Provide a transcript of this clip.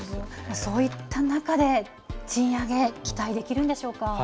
そういった中で、賃上げ、期待できるんでしょうか。